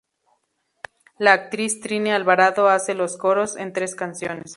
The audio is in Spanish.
La actriz Trini Alvarado hace los coros en tres canciones.